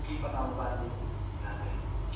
سرلوړي د هغو ده چي نېک عمل کوی.